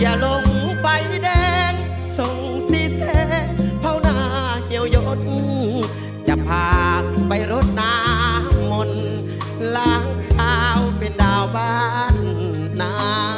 ลงไปแดงส่งสีแสเผาหน้าเกี่ยวยดจะพาไปรดน้ำมนต์ล้างเท้าเป็นดาวบ้านหนา